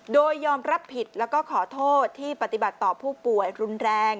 โดยยอมรับผิดแล้วก็ขอโทษที่ปฏิบัติต่อผู้ป่วยรุนแรง